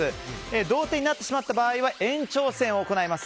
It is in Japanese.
同点になってしまった場合は延長戦を行います。